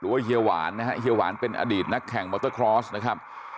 เฮียหวานนะฮะเฮียหวานเป็นอดีตนักแข่งมอเตอร์คลอสนะครับ